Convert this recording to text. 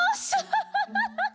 ハハハハハ！